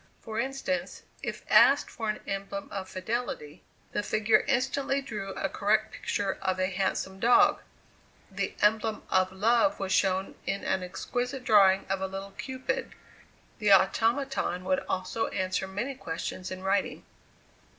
For instance: if asked for an emblem of fidelity, the figure instantly drew a correct picture of a handsome dog; the emblem of love was shown in an exquisite drawing of a little Cupid; the automaton would also answer many questions in writing.